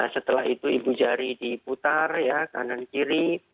setelah itu ibu jari diputar ya kanan kiri